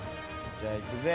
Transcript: じゃあいくぜ。